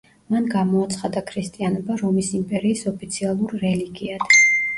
მან გამოაცხადა ქრისტიანობა რომის იმპერიის ოფიციალურ რელიგიად.